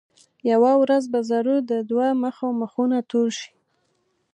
یوه ورځ به ضرور د دوه مخو مخونه تور شي.